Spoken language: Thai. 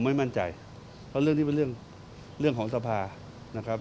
ไม่มั่นใจเพราะเรื่องนี้เป็นเรื่องของสภานะครับ